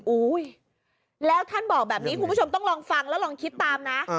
อุ้ยแล้วท่านบอกแบบนี้คุณผู้ชมต้องลองฟังแล้วลองคิดตามนะ